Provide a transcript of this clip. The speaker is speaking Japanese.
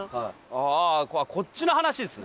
ああこっちの話ですね。